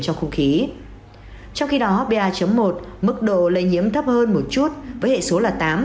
trong khi đó ba một mức độ lây nhiễm thấp hơn một chút với hệ số là tám